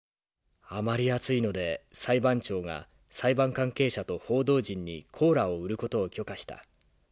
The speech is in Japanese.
あまり暑いので裁判長が裁判関係者と報道陣にコーラを売る事を許可した。